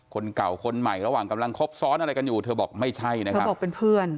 คนเก่าคนใหม่ระหว่างกำลังคบซ้อนอะไรกันอยู่เธอบอกไม่ใช่นะครับบอกเป็นเพื่อน